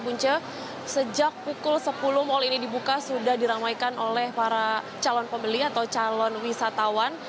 punca sejak pukul sepuluh mal ini dibuka sudah diramaikan oleh para calon pembeli atau calon wisatawan